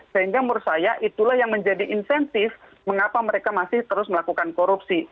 sehingga menurut saya itulah yang menjadi insentif mengapa mereka masih terus melakukan korupsi